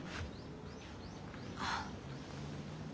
あっ。